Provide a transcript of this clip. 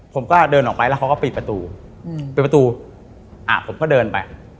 ผมก็เดินออกไปแล้วเขาก็ปิดประตูปิดประตูผมก็เดินไป